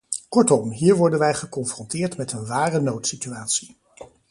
Kortom, hier worden wij geconfronteerd met een ware noodsituatie.